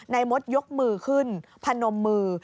มดยกมือขึ้นพนมมือ